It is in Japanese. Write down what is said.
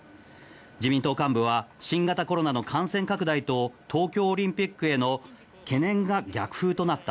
自民党幹部は新型コロナの感染拡大と東京オリンピックへの懸念が逆風となった。